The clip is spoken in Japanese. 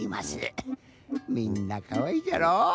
みんなかわいいじゃろ。